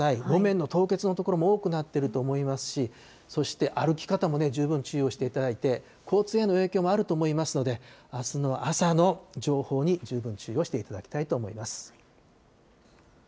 路面の凍結の所も多くなってると思いますし、そして歩き方も十分注意をしていただいて、交通への影響もあると思いますので、あすの朝の情報に十分注意をしていただきたいと思います。